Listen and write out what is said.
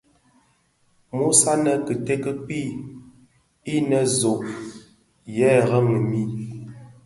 Àa nwos anè kite kì kpii, inè zòò yëë rôôghi mii.